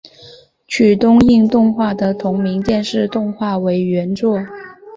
由东映动画的同名电视动画为原作。